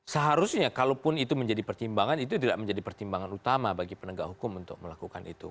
seharusnya kalaupun itu menjadi pertimbangan itu tidak menjadi pertimbangan utama bagi penegak hukum untuk melakukan itu